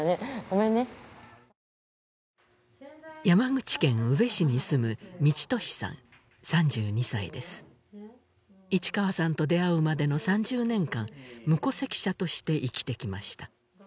ごめんね山口県宇部市に住む市川さんと出会うまでの３０年間無戸籍者として生きてきました